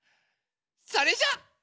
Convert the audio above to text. それじゃあ。